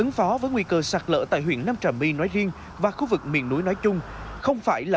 ứng phó với nguy cơ sạt lở tại huyện nam trà my nói riêng và khu vực miền núi nói chung không phải là